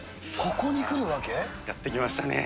やって来ましたね。